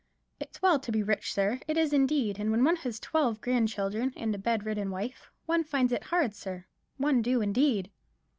"It's well to be rich, sir, it is indeed; and when one have twelve grand children, and a bed ridden wife, one finds it hard, sir; one do indeed."